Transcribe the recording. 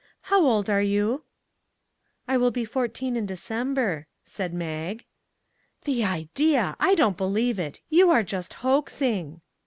How old are you ?"" I will be fourteen in December," said Mag. " The idea ! I don't believe it. You are just hoaxing."